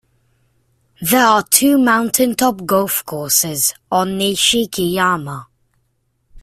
There are two mountain top golf courses on Nishiki-yama.